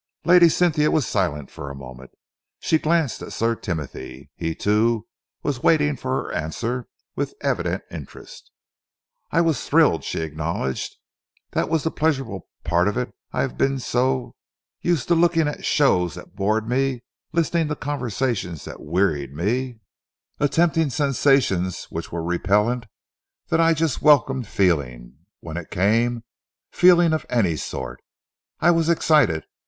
Lady Cynthia was silent for a moment. She glanced at Sir Timothy. He, too, was waiting for her answer with evident interest. "I was thrilled," she acknowledged. "That was the pleasurable part of it I have been so, used to looking on at shows that bored me, listening to conversations that wearied me, attempting sensations which were repellent, that I just welcomed feeling, when it came feeling of any sort. I was excited.